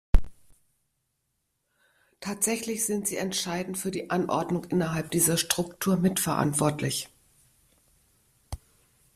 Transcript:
Tatsächlich sind Sie entscheidend für die Anordnung innerhalb dieser Struktur mitverantwortlich.